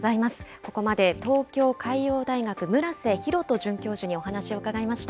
ここまで東京海洋大学、村瀬弘人准教授にお話を伺いました。